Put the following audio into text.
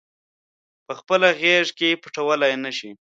پخپله غیږ کې پټولای نه شي